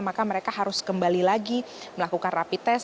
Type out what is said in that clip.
maka mereka harus kembali lagi melakukan rapi tes